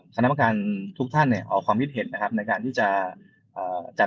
คณะประการทุกท่านเนี่ยออกความคิดเห็นนะครับในการที่จะจัด